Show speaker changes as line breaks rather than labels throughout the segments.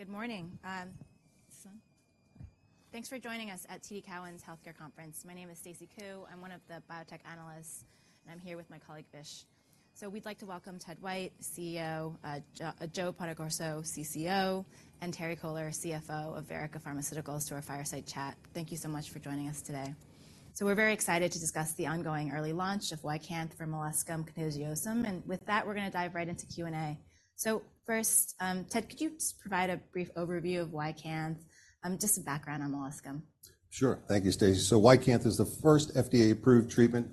All right. Good morning. Thanks for joining us at TD Cowen’s Healthcare Conference. My name is Stacy Ku. I'm one of the biotech analysts, and I'm here with my colleague, Vish. So we'd like to welcome Ted White, CEO, Joe Bonaccorso, CCO, and Terry Kohler, CFO of Verrica Pharmaceuticals, to our fireside chat. Thank you so much for joining us today. So we're very excited to discuss the ongoing early launch of YCANTH for molluscum contagiosum, and with that, we're going to dive right into Q&A. So first, Ted, could you just provide a brief overview of YCANTH, just a background on molluscum?
Sure. Thank you, Stacy. So YCANTH is the first FDA-approved treatment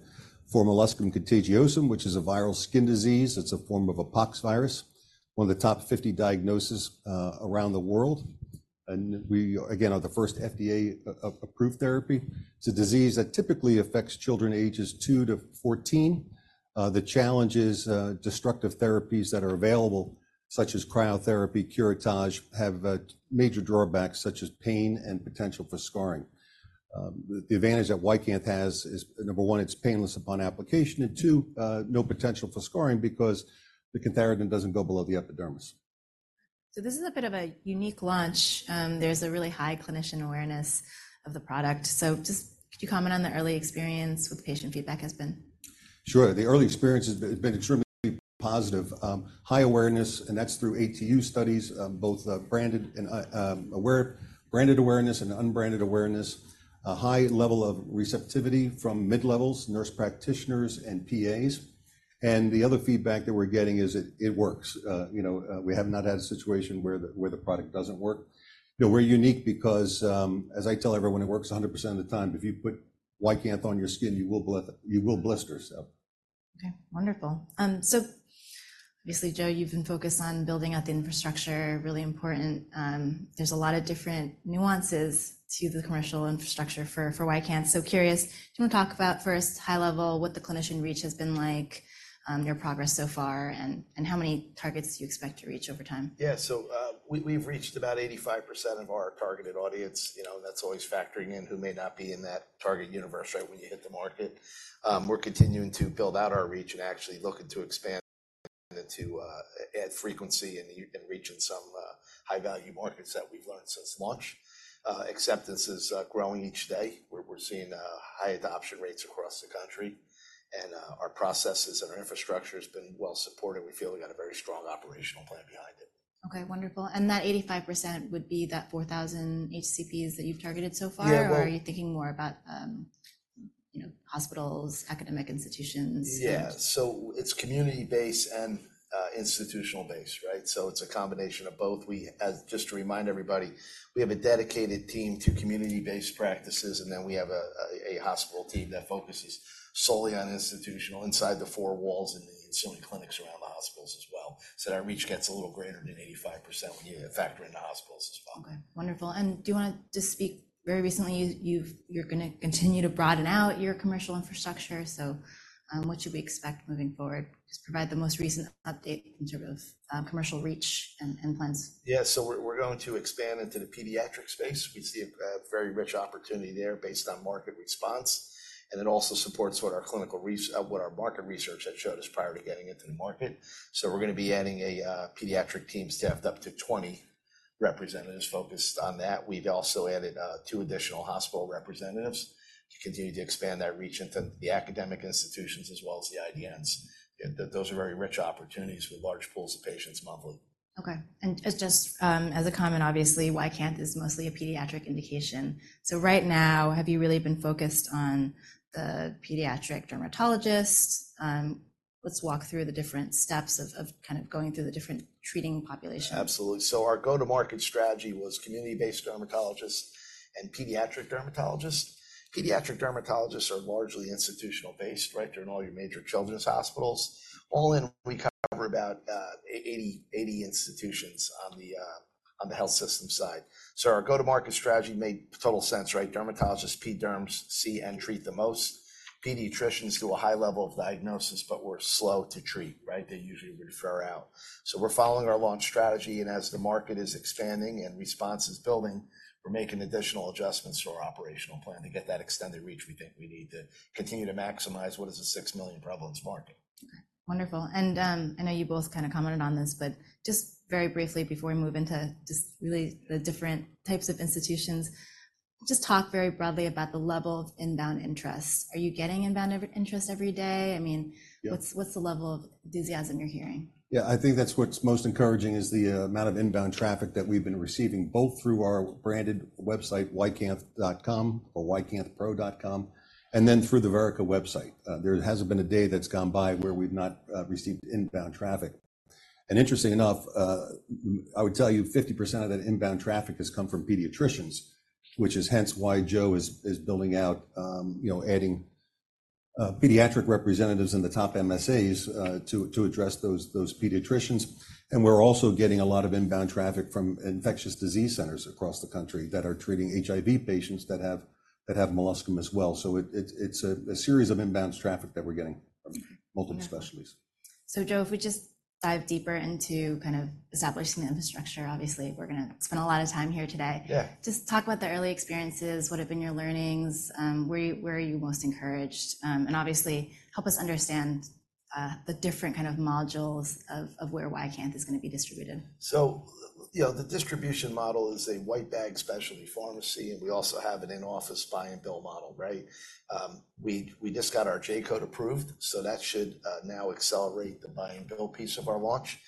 for molluscum contagiosum, which is a viral skin disease. It's a form of a poxvirus, one of the top 50 diagnoses around the world, and we, again, are the first FDA-approved therapy. It's a disease that typically affects children ages 2 to 14. The challenge is destructive therapies that are available, such as cryotherapy, curettage, have major drawbacks such as pain and potential for scarring. The advantage that YCANTH has is, number one, it's painless upon application, and two, no potential for scarring because the cantharidin doesn't go below the epidermis.
So this is a bit of a unique launch. There's a really high clinician awareness of the product. So just, could you comment on the early experience, what the patient feedback has been?
Sure. The early experience has been extremely positive. High awareness, and that's through ATU studies, both branded and unbranded awareness, a high level of receptivity from mid-levels, nurse practitioners, and PAs. The other feedback that we're getting is it works. You know, we have not had a situation where the product doesn't work. You know, we're unique because, as I tell everyone, it works 100% of the time. If you put YCANTH on your skin, you will blister, so.
Okay, wonderful. So obviously, Joe, you've been focused on building out the infrastructure, really important. There's a lot of different nuances to the commercial infrastructure for YCANTH. So curious, do you want to talk about first, high level, what the clinician reach has been like, your progress so far, and how many targets you expect to reach over time?
Yeah. So, we've reached about 85% of our targeted audience. You know, that's always factoring in who may not be in that target universe right when you hit the market. We're continuing to build out our reach and actually looking to expand and to add frequency in reaching some high-value markets that we've learned since launch. Acceptance is growing each day, where we're seeing high adoption rates across the country, and our processes and our infrastructure has been well supported. We feel we got a very strong operational plan behind it.
Okay, wonderful. That 85% would be that 4,000 HCPs that you've targeted so far-
Yeah, well-
- or are you thinking more about, you know, hospitals, academic institutions?
Yeah. So it's community-based and, institutional-based, right? So it's a combination of both. We, as, just to remind everybody, we have a dedicated team to community-based practices, and then we have a hospital team that focuses solely on institutional, inside the four walls, and the in-clinic clinics around the hospitals as well. So our reach gets a little greater than 85% when you factor in the hospitals as well.
Okay, wonderful. Do you want to just speak, very recently, you're gonna continue to broaden out your commercial infrastructure, so, what should we expect moving forward? Just provide the most recent update in terms of commercial reach and plans.
Yeah. So we're going to expand into the pediatric space. We see a very rich opportunity there based on market response, and it also supports what our market research had showed us prior to getting into the market. So we're gonna be adding a pediatric team staffed up to 20 representatives focused on that. We've also added two additional hospital representatives to continue to expand that reach into the academic institutions as well as the IDNs. And those are very rich opportunities with large pools of patients monthly.
Okay. And as just, as a comment, obviously, YCANTH is mostly a pediatric indication. So right now, have you really been focused on the pediatric dermatologist? Let's walk through the different steps of kind of going through the different treating population.
Absolutely. So our go-to-market strategy was community-based dermatologists and pediatric dermatologists. Pediatric dermatologists are largely institutional-based, right? They're in all your major children's hospitals. All in, we cover about 80, 80 institutions on the health system side. So our go-to-market strategy made total sense, right? Dermatologists, ped derms, see and treat the most. Pediatricians do a high level of diagnosis, but we're slow to treat, right? They usually refer out. So we're following our launch strategy, and as the market is expanding and response is building, we're making additional adjustments to our operational plan to get that extended reach we think we need to continue to maximize what is a 6 million prevalence market.
Okay, wonderful. And, I know you both kind of commented on this, but just very briefly before we move into just really the different types of institutions, just talk very broadly about the level of inbound interest. Are you getting inbound interest every day? I mean-
Yeah.
What's the level of enthusiasm you're hearing?
Yeah, I think that's what's most encouraging is the amount of inbound traffic that we've been receiving, both through our branded website, YCANTH.com, or YCANTHpro.com, and then through the Verrica website. There hasn't been a day that's gone by where we've not received inbound traffic. And interestingly enough, I would tell you 50% of that inbound traffic has come from pediatricians, which is hence why Joe is building out, you know, adding pediatric representatives in the top MSAs to address those pediatricians. And we're also getting a lot of inbound traffic from infectious disease centers across the country that are treating HIV patients that have molluscum as well. So it's a series of inbound traffic that we're getting from multiple specialists.
Joe, if we just dive deeper into kind of establishing the infrastructure, obviously, we're gonna spend a lot of time here today.
Yeah.
Just talk about the early experiences, what have been your learnings, where are you, where are you most encouraged? And obviously, help us understand the different kind of modules of where YCANTH is gonna be distributed?
So, you know, the distribution model is a white bag specialty pharmacy, and we also have an in-office buy and bill model, right? We just got our J-code approved, so that should now accelerate the buy and bill piece of our launch.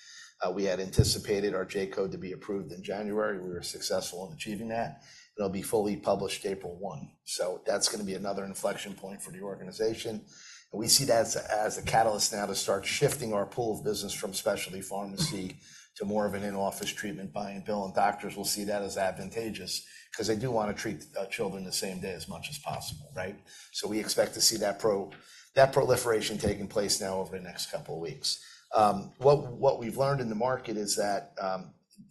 We had anticipated our J-code to be approved in January. We were successful in achieving that, and it'll be fully published April 1. So that's gonna be another inflection point for the organization, and we see that as a catalyst now to start shifting our pool of business from specialty pharmacy to more of an in-office treatment buy and bill, and doctors will see that as advantageous, 'cause they do wanna treat children the same day as much as possible, right? So we expect to see that proliferation taking place now over the next couple of weeks. What we've learned in the market is that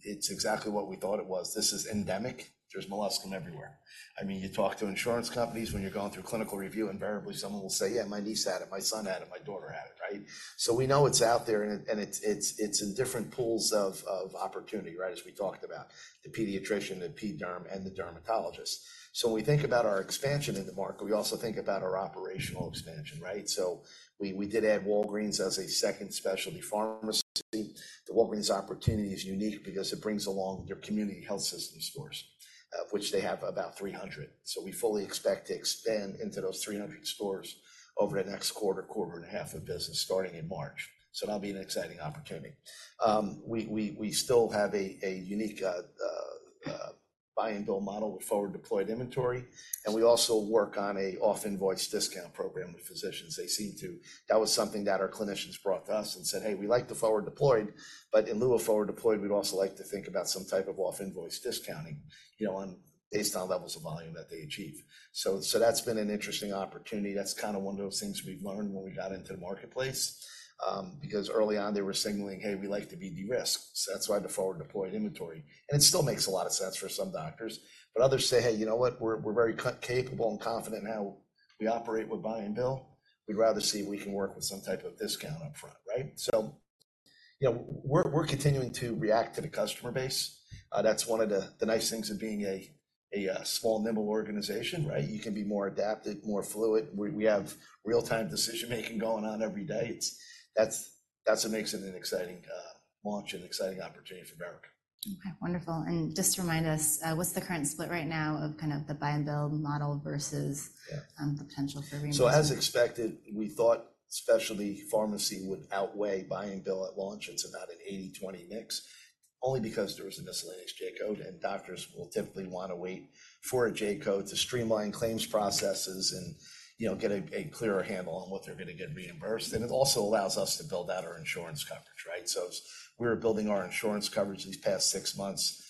it's exactly what we thought it was. This is endemic. There's molluscum everywhere. I mean, you talk to insurance companies when you're going through clinical review, invariably someone will say, "Yeah, my niece had it, my son had it, my daughter had it," right? So we know it's out there, and it's in different pools of opportunity, right, as we talked about, the pediatrician, the ped derm, and the dermatologist. So when we think about our expansion in the market, we also think about our operational expansion, right? So we did add Walgreens as a second specialty pharmacy. The Walgreens opportunity is unique because it brings along their community health system stores, which they have about 300. So we fully expect to expand into those 300 stores over the next quarter, quarter and a half of business starting in March. So that'll be an exciting opportunity. We still have a unique buy-and-bill model with forward-deployed inventory, and we also work on an off-invoice discount program with physicians, actually our Phase 2. That was something that our clinicians brought to us and said, "Hey, we like the forward deployed, but in lieu of forward deployed, we'd also like to think about some type of off-invoice discounting," you know, or based on levels of volume that they achieve. So that's been an interesting opportunity. That's kinda one of those things we've learned when we got into the marketplace, because early on they were signaling, "Hey, we like to be de-risked." So that's why the forward deployed inventory, and it still makes a lot of sense for some doctors, but others say: "Hey, you know what? We're very capable and confident in how we operate with buy and bill. We'd rather see if we can work with some type of discount up front," right? So, you know, we're continuing to react to the customer base. That's one of the nice things of being a small, nimble organization, right? You can be more adapted, more fluid. We have real-time decision making going on every day. It's... That's what makes it an exciting launch and exciting opportunity for America.
Okay, wonderful. Just to remind us, what's the current split right now of kind of the buy-and-bill model versus-
Yeah...
potential for reimbursement?
So as expected, we thought specialty pharmacy would outweigh buy and bill at launch. It's about an 80/20 mix, only because there was a miscellaneous J-code, and doctors will typically wanna wait for a J-code to streamline claims processes and, you know, get a clearer handle on what they're gonna get reimbursed. And it also allows us to build out our insurance coverage, right? So as we were building our insurance coverage these past six months,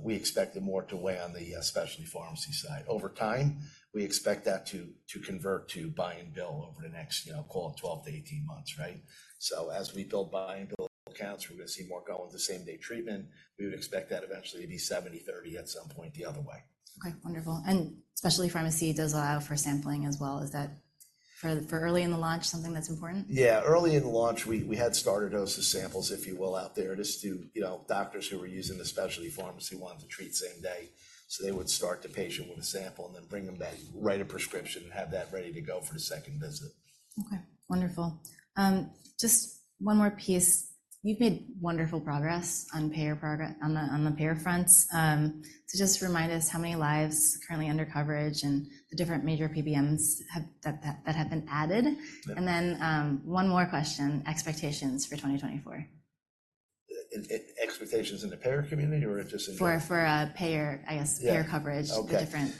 we expected more to weigh on the specialty pharmacy side. Over time, we expect that to convert to buy and bill over the next, you know, call it 12-18 months, right? So as we build buy and bill accounts, we're gonna see more go with the same-day treatment. We would expect that eventually to be 70/30 at some point the other way.
Okay, wonderful. Specialty pharmacy does allow for sampling as well. Is that for early in the launch, something that's important?
Yeah, early in the launch, we had starter dosage samples, if you will, out there, just to... You know, doctors who were using the specialty pharmacy wanted to treat same day, so they would start the patient with a sample and then bring them back, write a prescription, and have that ready to go for the second visit.
Okay, wonderful. Just one more piece. You've made wonderful progress on payer progress, on the payer fronts. So just remind us how many lives currently under coverage and the different major PBMs have, that have been added?
Yeah.
And then, one more question, expectations for 2024.
Expectations in the payer community or just in general?
For payer, I guess-
Yeah...
payer coverage.
Okay.
The different,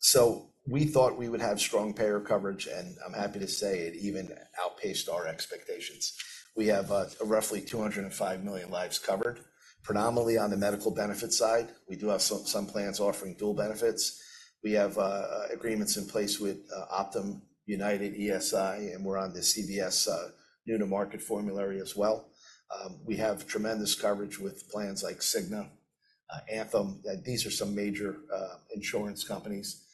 So we thought we would have strong payer coverage, and I'm happy to say it even outpaced our expectations. We have roughly 205 million lives covered, predominantly on the medical benefit side. We do have some plans offering dual benefits. We have agreements in place with Optum, United, ESI, and we're on the CVS new to market formulary as well. We have tremendous coverage with plans like Cigna, Anthem, and these are some major insurance companies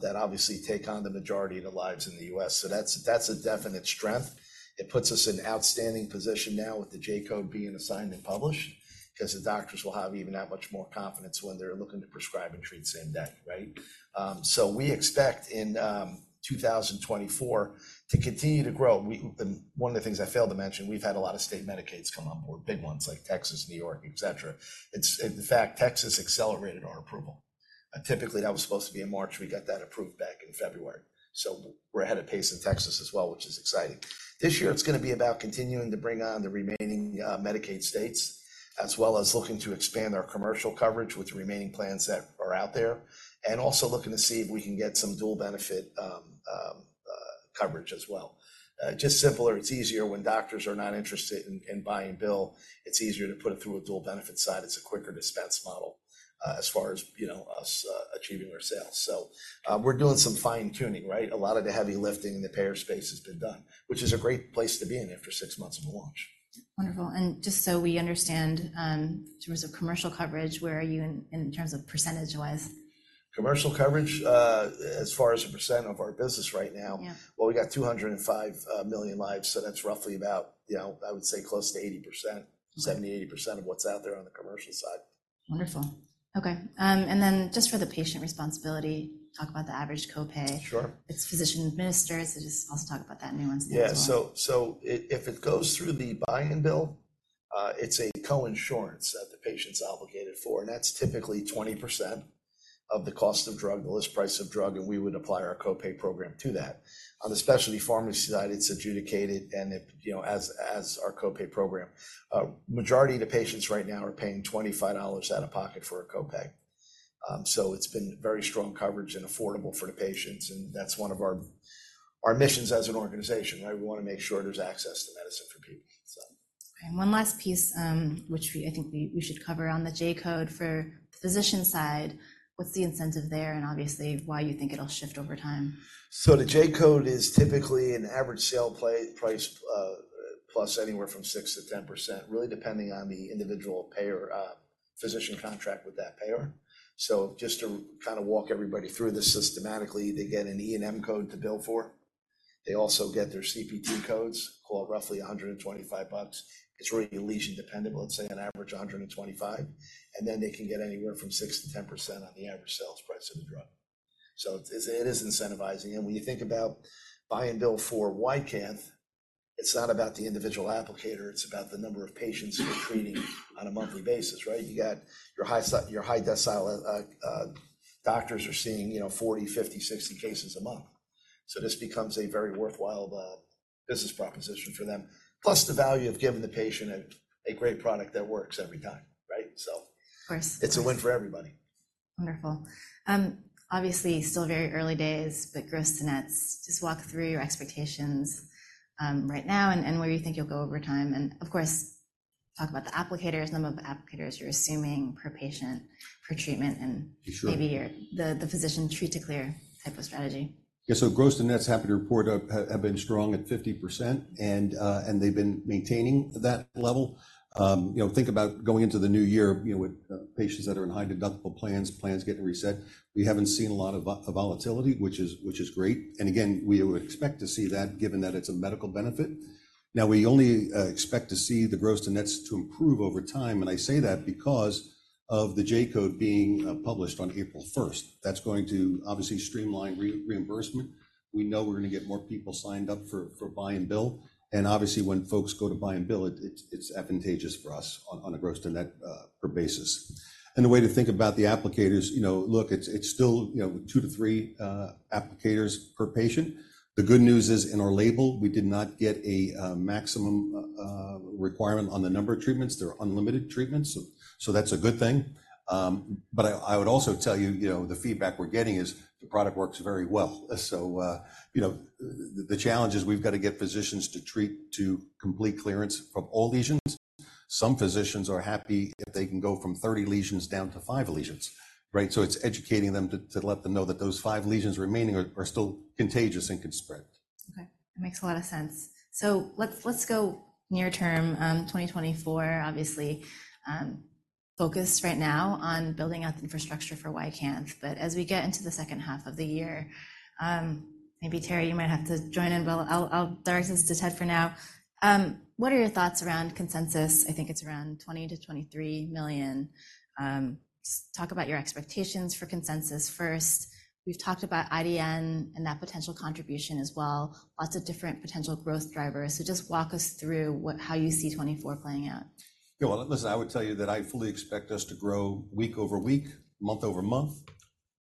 that obviously take on the majority of the lives in the US. So that's a definite strength. It puts us in outstanding position now with the J-code being assigned and published, 'cause the doctors will have even that much more confidence when they're looking to prescribe and treat same day, right? So we expect in 2024 to continue to grow. And one of the things I failed to mention, we've had a lot of state Medicaid come on board, big ones like Texas, New York, et cetera. In fact, Texas accelerated our approval. Typically, that was supposed to be in March. We got that approved back in February. So we're ahead of pace in Texas as well, which is exciting. This year, it's gonna be about continuing to bring on the remaining Medicaid states, as well as looking to expand our commercial coverage with the remaining plans that are out there, and also looking to see if we can get some dual benefit coverage as well. Just simpler, it's easier when doctors are not interested in buy and bill. It's easier to put it through a dual benefit side. It's a quicker dispense model, as far as, you know, us, achieving our sales. So, we're doing some fine-tuning, right? A lot of the heavy lifting in the payer space has been done, which is a great place to be in after six months of the launch.
Wonderful, and just so we understand, in terms of commercial coverage, where are you in terms of percentage-wise?
Commercial coverage, as far as a percent of our business right now-
Yeah...
well, we got 205 million lives, so that's roughly about, you know, I would say close to 80%. 70%-80% of what's out there on the commercial side....
Wonderful. Okay, and then just for the patient responsibility, talk about the average copay.
Sure.
It's physician administered, so just also talk about that nuance as well.
Yeah. So, if it goes through the buy-and-bill, it's a coinsurance that the patient's obligated for, and that's typically 20% of the cost of drug, the list price of drug, and we would apply our copay program to that. On the specialty pharmacy side, it's adjudicated, and it, you know, as our copay program. Majority of the patients right now are paying $25 out of pocket for a copay. So it's been very strong coverage and affordable for the patients, and that's one of our missions as an organization, right? We wanna make sure there's access to medicine for people, so.
Okay, and one last piece, which I think we, we should cover on the J-code for physician side. What's the incentive there, and obviously, why you think it'll shift over time?
So the J-code is typically an average sales price, plus anywhere from 6%-10%, really depending on the individual payer, physician contract with that payer. So just to kind of walk everybody through this systematically, they get an E&M code to bill for. They also get their CPT codes, call it roughly $125. It's really lesion dependent, but let's say an average $125, and then they can get anywhere from 6%-10% on the average sales price of the drug. So it's, it is incentivizing, and when you think about buy and bill for YCANTH, it's not about the individual applicator, it's about the number of patients you're treating on a monthly basis, right? You got your high decile, doctors are seeing, you know, 40, 50, 60 cases a month. This becomes a very worthwhile business proposition for them, plus the value of giving the patient a great product that works every time, right? So-
Of course.
It's a win for everybody.
Wonderful. Obviously, still very early days, but Gross to net, just walk through your expectations, right now, and, and where you think you'll go over time. And, of course, talk about the applicators, number of applicators you're assuming per patient, per treatment, and-
Sure...
maybe your, the physician treat to clear type of strategy.
Yeah, so gross to nets, happy to report, have been strong at 50%, and they've been maintaining that level. You know, think about going into the new year, you know, with patients that are in high-deductible plans, plans getting reset. We haven't seen a lot of of volatility, which is great, and again, we would expect to see that, given that it's a medical benefit. Now, we only expect to see the gross to nets to improve over time, and I say that because of the J-code being published on April first. That's going to obviously streamline reimbursement. We know we're gonna get more people signed up for buy and bill, and obviously, when folks go to buy and bill, it's advantageous for us on a gross to net per basis. The way to think about the applicators, you know, look, it's still, you know, 2-3 applicators per patient. The good news is, in our label, we did not get a maximum requirement on the number of treatments. There are unlimited treatments, so that's a good thing. But I would also tell you, you know, the feedback we're getting is the product works very well. So, you know, the challenge is we've got to get physicians to treat to complete clearance from all lesions. Some physicians are happy if they can go from 30 lesions down to 5 lesions, right? So it's educating them to let them know that those five lesions remaining are still contagious and can spread.
Okay, that makes a lot of sense. So let's, let's go near term, 2024, obviously, focused right now on building out the infrastructure for YCANTH, but as we get into the second half of the year, maybe, Terry, you might have to join in, but I'll, I'll direct this to Ted for now. What are your thoughts around consensus? I think it's around $20-$23 million. Talk about your expectations for consensus first. We've talked about IDN and that potential contribution as well, lots of different potential growth drivers. So just walk us through what- how you see 2024 playing out.
Yeah, well, listen, I would tell you that I fully expect us to grow week-over-week, month-over-month,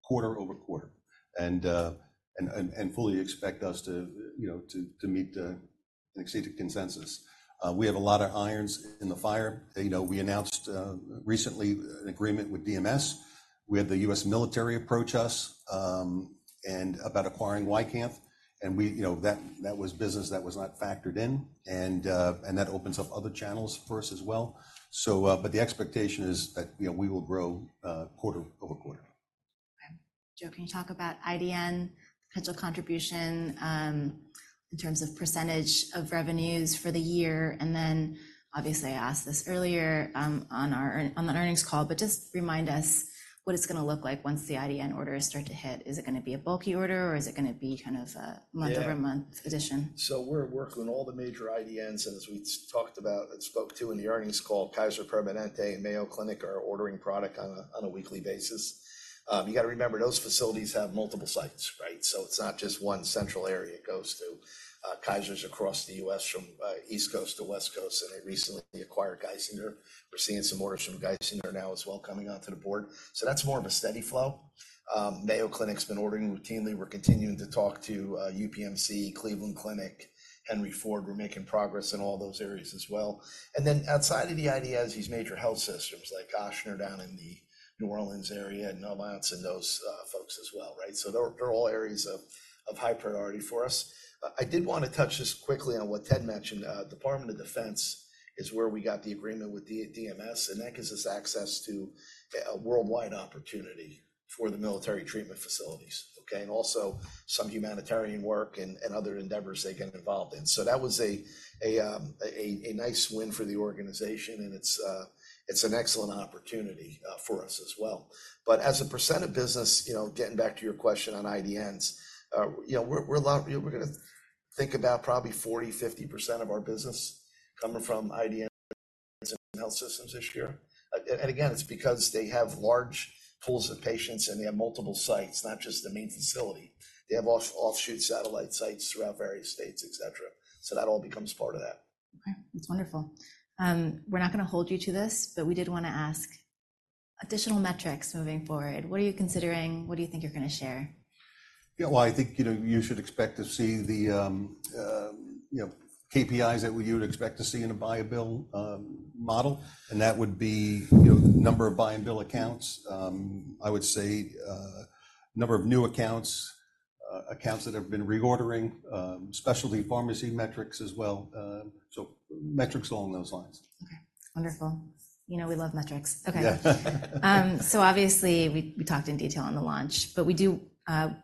quarter-over-quarter, and fully expect us to, you know, to meet and exceed the consensus. We have a lot of irons in the fire. You know, we announced recently an agreement with DLA. We had the U.S. military approach us and about acquiring YCANTH, and you know, that was business that was not factored in, and that opens up other channels for us as well. So but the expectation is that, you know, we will grow quarter-over-quarter.
Okay. Joe, can you talk about IDN, potential contribution, in terms of percentage of revenues for the year? And then obviously, I asked this earlier, on the earnings call, but just remind us what it's gonna look like once the IDN orders start to hit. Is it gonna be a bulky order, or is it gonna be kind of a-
Yeah...
month-over-month addition?
So we're working with all the major IDNs, and as we talked about and spoke to in the earnings call, Kaiser Permanente and Mayo Clinic are ordering product on a weekly basis. You gotta remember, those facilities have multiple sites, right? So it's not just one central area it goes to. Kaiser's across the U.S., from East Coast to West Coast, and they recently acquired Geisinger. We're seeing some orders from Geisinger now as well, coming onto the board. So that's more of a steady flow. Mayo Clinic's been ordering routinely. We're continuing to talk to UPMC, Cleveland Clinic, Henry Ford. We're making progress in all those areas as well. And then, outside of the IDNs, these major health systems, like Ochsner down in the New Orleans area, and Novant, and those folks as well, right? So they're all areas of high priority for us. I did wanna touch just quickly on what Ted mentioned. Department of Defense is where we got the agreement with the DLA, and that gives us access to a worldwide opportunity for the military treatment facilities, okay, and also some humanitarian work and other endeavors they get involved in. So that was a nice win for the organization, and it's an excellent opportunity for us as well. But as a percent of business, you know, getting back to your question on IDNs, you know, we're gonna-...
think about probably 40%-50% of our business coming from IDN and health systems this year. And again, it's because they have large pools of patients, and they have multiple sites, not just the main facility. They have offshoot satellite sites throughout various states, et cetera. So that all becomes part of that.
Okay, that's wonderful. We're not gonna hold you to this, but we did wanna ask additional metrics moving forward. What are you considering? What do you think you're gonna share?
Yeah, well, I think, you know, you should expect to see the KPIs that you would expect to see in a buy and bill model, and that would be, you know, number of buy and bill accounts. I would say number of new accounts, accounts that have been reordering, specialty pharmacy metrics as well, so metrics along those lines.
Okay, wonderful. You know we love metrics. Okay.
Yeah.
So obviously we talked in detail on the launch, but we do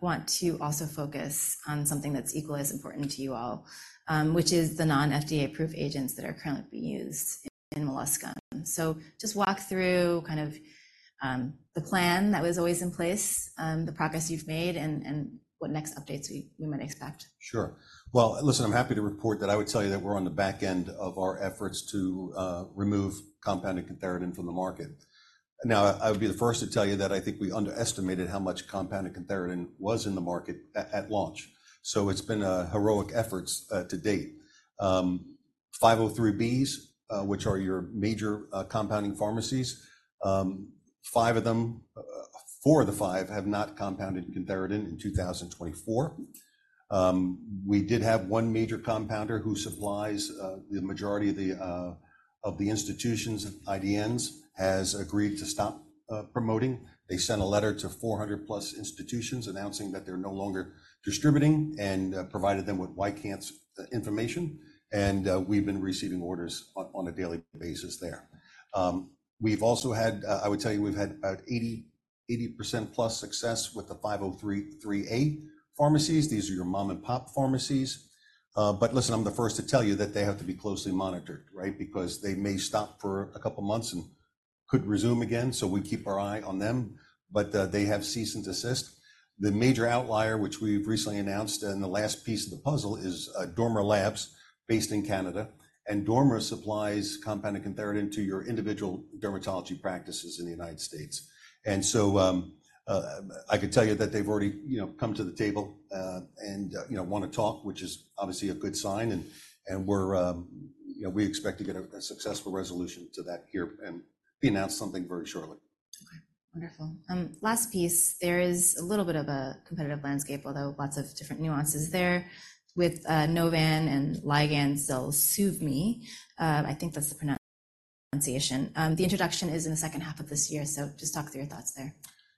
want to also focus on something that's equally as important to you all, which is the non-FDA-approved agents that are currently being used in molluscum. So just walk through kind of the plan that was always in place, the progress you've made, and what next updates we might expect.
Sure. Well, listen, I'm happy to report that I would tell you that we're on the back end of our efforts to remove compounded cantharidin from the market. Now, I would be the first to tell you that I think we underestimated how much compounded cantharidin was in the market at launch, so it's been heroic efforts to date. 503Bs, which are your major compounding pharmacies, five of them, four of the five have not compounded cantharidin in 2024. We did have one major compounder who supplies the majority of the institutions, IDNs, has agreed to stop promoting. They sent a letter to 400+ institutions announcing that they're no longer distributing and provided them with YCANTH information, and we've been receiving orders on a daily basis there. We've also had I would tell you, we've had about 80, 80%+ success with the 503A pharmacies. These are your mom-and-pop pharmacies. But listen, I'm the first to tell you that they have to be closely monitored, right? Because they may stop for a couple of months and could resume again, so we keep our eye on them, but they have cease and desist. The major outlier, which we've recently announced, and the last piece of the puzzle is Dormer Labs based in Canada, and Dormer supplies compounded cantharidin to your individual dermatology practices in the United States. And so, I could tell you that they've already, you know, come to the table, and you know, wanna talk, which is obviously a good sign, and we're, you know, we expect to get a successful resolution to that here, and we'll announce something very shortly.
Okay, wonderful. Last piece, there is a little bit of a competitive landscape, although lots of different nuances there, with Novan and Ligand ZELSUVMI. I think that's the pronunciation. The introduction is in the second half of this year, so just talk through your thoughts there.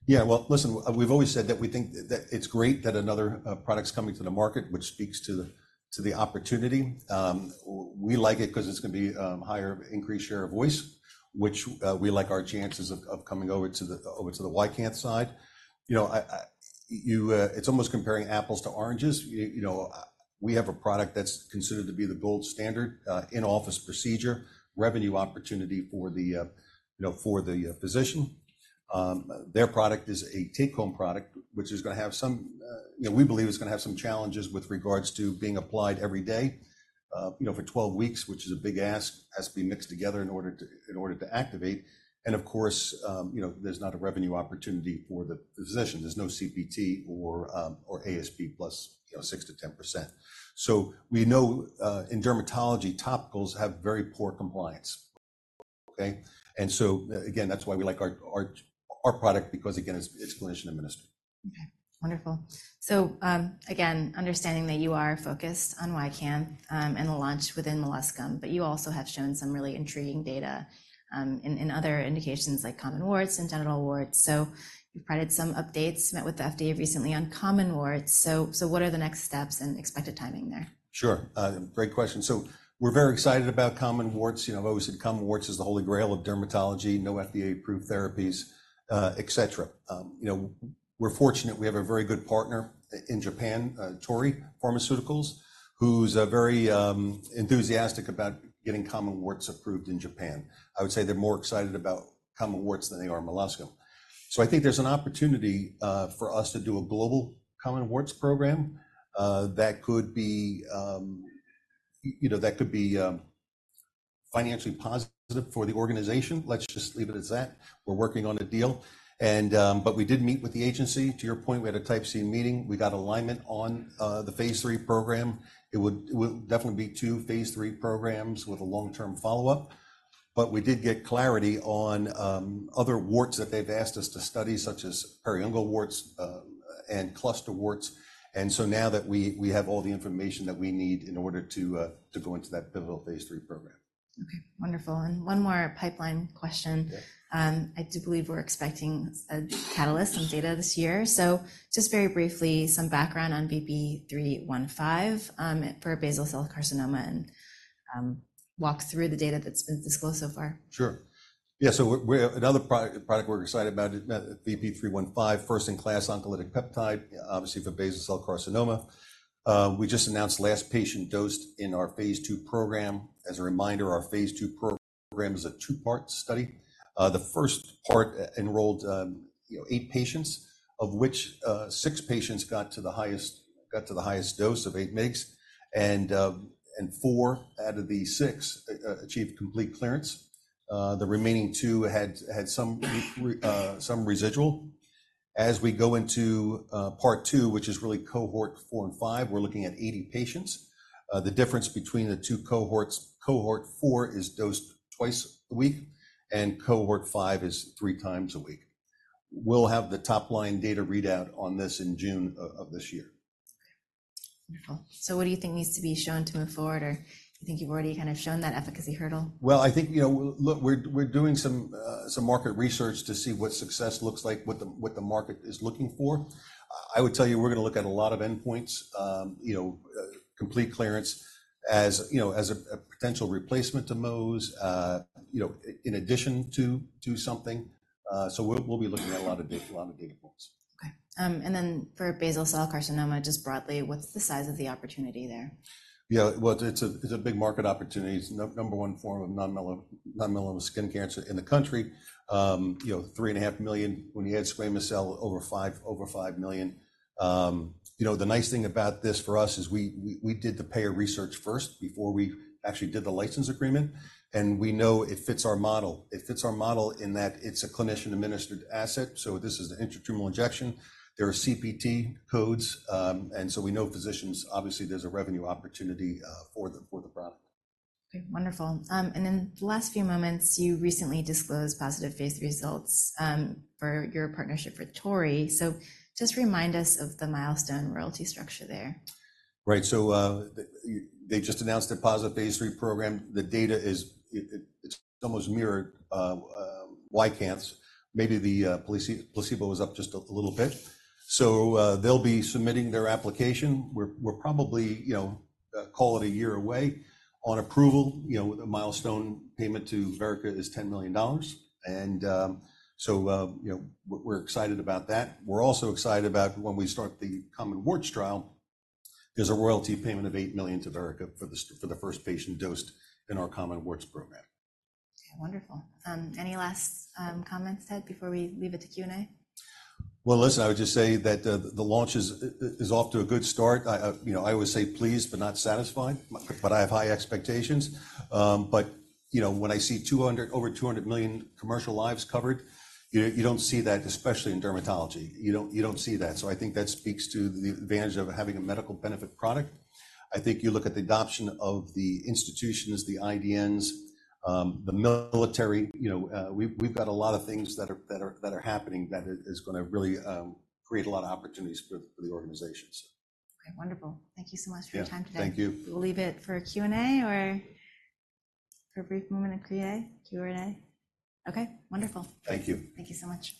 Yeah, well, listen, we've always said that we think that it's great that another product's coming to the market, which speaks to the opportunity. We like it 'cause it's gonna be higher increased share of voice, which we like our chances of coming over to the YCANTH side. You know, it's almost comparing apples to oranges. You know, we have a product that's considered to be the gold standard in-office procedure, revenue opportunity for the you know for the physician. Their product is a take-home product, which is gonna have some. We believe it's gonna have some challenges with regards to being applied every day, you know, for 12 weeks, which is a big ask. Has to be mixed together in order to activate, and of course, you know, there's not a revenue opportunity for the physician. There's no CPT or ASP plus, you know, 6%-10%. So we know in dermatology, topicals have very poor compliance. Okay? And so again, that's why we like our product because again, it's clinician administered.
Okay, wonderful. So, again, understanding that you are focused on YCANTH, and the launch within molluscum, but you also have shown some really intriguing data, in other indications like common warts and genital warts. So you've provided some updates, met with the FDA recently on common warts, so what are the next steps and expected timing there?
Sure. Great question. So we're very excited about common warts. You know, I've always said common warts is the holy grail of dermatology, no FDA-approved therapies, et cetera. You know, we're fortunate we have a very good partner in Japan, Torii Pharmaceuticals, who's very enthusiastic about getting common warts approved in Japan. I would say they're more excited about common warts than they are molluscum. So I think there's an opportunity for us to do a global common warts program that could be, you know, that could be financially positive for the organization. Let's just leave it as that. We're working on a deal, and... But we did meet with the agency. To your point, we had a type C meeting. We got alignment on the phase III program. It would, it would definitely be two phase III programs with a long-term follow-up, but we did get clarity on other warts that they've asked us to study, such as periungual warts and cluster warts. And so now that we, we have all the information that we need in order to to go into that pivotal phase III program.
Okay, wonderful. One more pipeline question.
Yeah.
I do believe we're expecting a catalyst on data this year. Just very briefly, some background on VP-315 for basal cell carcinoma, and walk through the data that's been disclosed so far.
Sure. Yeah, so we're another product we're excited about, VP-315, first-in-class oncolytic peptide, obviously for basal cell carcinoma. We just announced last patient dosed in our phase II program. As a reminder, our phase II program is a 2-part study. The first part enrolled, you know, 8 patients, of which 6 patients got to the highest dose of 8 mg. And 4 out of the 6 achieved complete clearance. The remaining 2 had some residual. As we go into part two, which is really cohort 4 and 5, we're looking at 80 patients. The difference between the two cohorts, cohort 4 is dosed twice a week, and cohort 5 is three times a week. We'll have the top-line data readout on this in June of this year.
Okay. Wonderful. So what do you think needs to be shown to move forward, or do you think you've already kind of shown that efficacy hurdle?
Well, I think, you know, look, we're doing some market research to see what success looks like, what the market is looking for. I would tell you, we're gonna look at a lot of endpoints, you know, complete clearance, as you know, as a potential replacement to Mohs, you know, in addition to something. So we'll be looking at a lot of data points.
Okay. And then for basal cell carcinoma, just broadly, what's the size of the opportunity there?
Yeah. Well, it's a big market opportunity. It's the number one form of non-melanoma skin cancer in the country. You know, 3.5 million, when you add squamous cell, over 5 million. You know, the nice thing about this for us is we did the payer research first before we actually did the license agreement, and we know it fits our model. It fits our model in that it's a clinician-administered asset, so this is an intratumoral injection. There are CPT codes, and so we know physicians... Obviously, there's a revenue opportunity for the product.
Okay, wonderful. And then the last few moments, you recently disclosed positive phase III results for your partnership with Torii. So just remind us of the milestone royalty structure there.
Right. So, they just announced a positive phase III program. The data is, it's almost mirrored YCANTH's. Maybe the placebo was up just a little bit. So, they'll be submitting their application. We're probably, you know, call it a year away. On approval, you know, the milestone payment to Verrica is $10 million, and so, you know, we're excited about that. We're also excited about when we start the common warts trial. There's a royalty payment of $8 million to Verrica for the first patient dosed in our common warts program.
Okay, wonderful. Any last comments, Ted, before we leave it to Q&A?
Well, listen, I would just say that the launch is off to a good start. You know, I always say pleased but not satisfied, but I have high expectations. You know, when I see over 200 million commercial lives covered, you don't, you don't see that, especially in dermatology. You don't, you don't see that. So I think that speaks to the advantage of having a medical benefit product. I think you look at the adoption of the institutions, the IDNs, the military, you know, we've got a lot of things that are happening that is gonna really create a lot of opportunities for the organization, so.
Okay, wonderful. Thank you so much for your time today.
Yeah, thank you.
We'll leave it for Q&A or for a brief moment of Q&A. Q&A? Okay, wonderful.
Thank you.
Thank you so much.